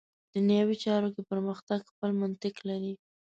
دنیوي چارو کې پرمختګ خپل منطق لري.